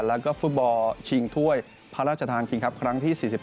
แล้วก็ฟุตบอลชิงถ้วยพระราชทานคิงครับครั้งที่๔๑